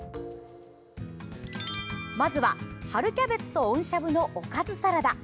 まずは、春キャベツと温しゃぶのおかずサラダ。